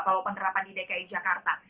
kalau penerapan di dki jakarta